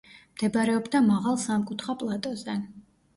მდებარეობდა მაღალ სამკუთხა პლატოზე.